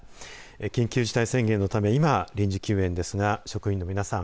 緊急事態宣言のため今、臨時休園ですが職員の皆さん